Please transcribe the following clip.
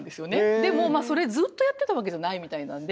でもそれずっとやってたわけじゃないみたいなんで。